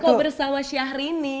kok bersama syahrini